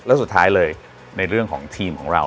แล้วสุดท้ายเลยในเรื่องของทีมของเรา